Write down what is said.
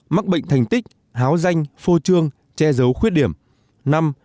mắc bệnh thành tích háo danh phô trương che giấu khuyết điểm